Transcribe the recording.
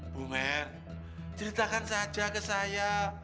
bu mer ceritakan saja ke saya